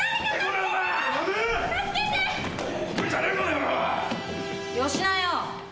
・よしなよ。